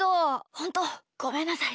ほんとごめんなさい。